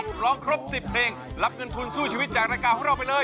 ร้องครบ๑๐เพลงรับเงินทุนสู้ชีวิตจากรายการของเราไปเลย